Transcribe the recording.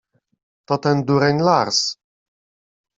— To ten dureń Lars!